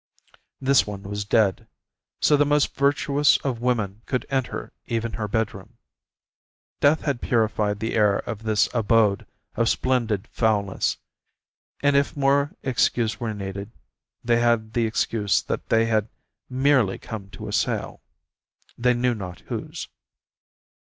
This one was dead, so the most virtuous of women could enter even her bedroom. Death had purified the air of this abode of splendid foulness, and if more excuse were needed, they had the excuse that they had merely come to a sale, they knew not whose.